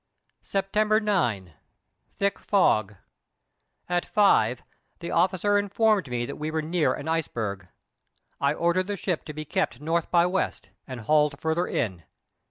September 9. Thick fog. At five the officer informed me that we were near an iceberg. I ordered the ship to be kept N. by W. and hauled farther in.